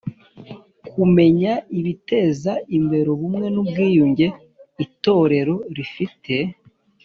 Kumenya ibiteza imbere ubumwe n ubwiyunge Itorero rifite